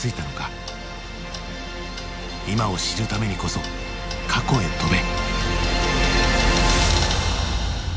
今を知るためにこそ過去へ飛べ。